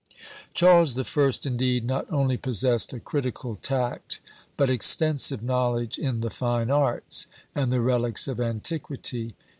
Charles the First, indeed, not only possessed a critical tact, but extensive knowledge in the fine arts, and the relics of antiquity.